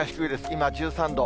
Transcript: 今１３度。